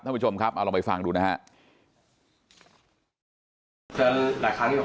ท่านผู้ชมครับเอาลองไปฟังดูนะฮะเสื้อหลายครั้งอยู่